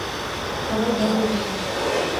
সবাই ঘাবড়ে থাকে।